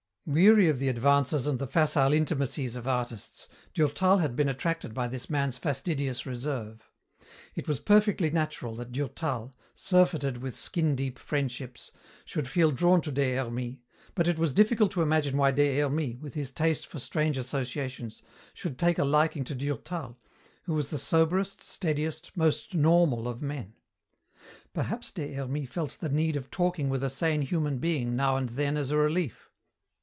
Weary of the advances and the facile intimacies of artists, Durtal had been attracted by this man's fastidious reserve. It was perfectly natural that Durtal, surfeited with skin deep friendships, should feel drawn to Des Hermies, but it was difficult to imagine why Des Hermies, with his taste for strange associations, should take a liking to Durtal, who was the soberest, steadiest, most normal of men. Perhaps Des Hermies felt the need of talking with a sane human being now and then as a relief.